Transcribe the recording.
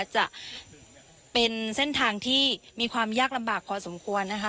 จะเป็นเส้นทางที่มีความยากลำบากพอสมควรนะคะ